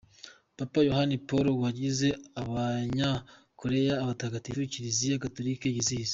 Papa Yohani Paul wa yagize abanyakoreya abatagatifu Kiliziya Gatolika yizihiza.